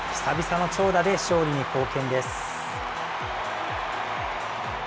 久々の長打で勝利に貢献です。